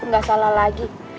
gak salah lagi